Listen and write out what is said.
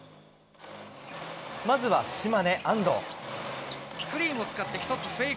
まずは島根、安藤。